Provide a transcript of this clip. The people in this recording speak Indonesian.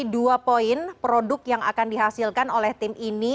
dua poin produk yang akan dihasilkan oleh tim ini